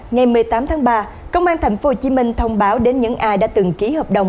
ngày một mươi tám tháng ba công an tp hcm thông báo đến những ai đã từng ký hợp đồng